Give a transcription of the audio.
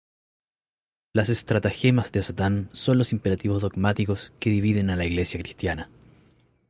Las "Estratagemas de Satán" son los imperativos dogmáticos que dividen a la iglesia cristiana.